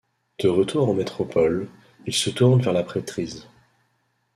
De retour en métropole, il se tourne vers la prêtrise.